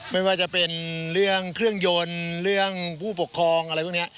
ไม่ว่าจะเป็นเรื่องเครื่องยนต์เรื่องผู้ปกครองอะไรพวกนี้